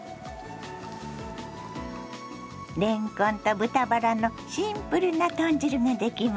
れんこんと豚バラのシンプルな豚汁ができました。